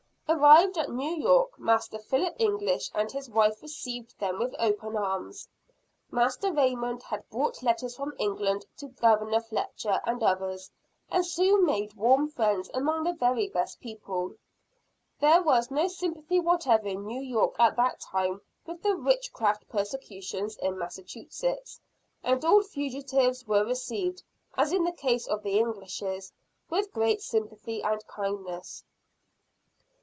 Arrived at New York, Master Philip English and his wife received them with open arms. Master Raymond had brought letters from England to Governor Fletcher and others, and soon made warm friends among the very best people. There was no sympathy whatever in New York at that time with the witchcraft persecutions in Massachusetts; and all fugitives were received, as in the case of the Englishes, with great sympathy and kindness.